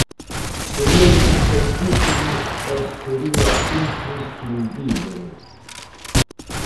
Sería importantísimo e sería imprescindíbel!